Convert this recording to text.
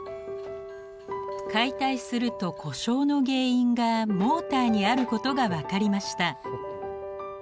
解体すると故障の原因がモーターにあることが分かりました。